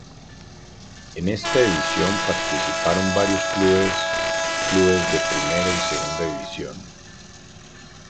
En esta edición participaron varios clubes clubes de primera y segunda división.